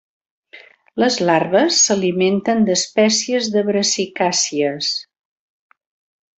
Les larves s'alimenten d'espècies de Brassicàcies.